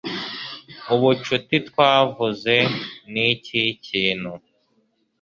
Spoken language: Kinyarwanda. ubucuti, twavuze, ni ikintu cyiza